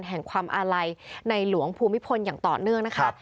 แห่งความอาลัยในหลวงภูมิพลอย่างต่อเนื่องนะคะ